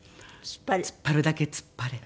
「突っ張るだけ突っ張れ」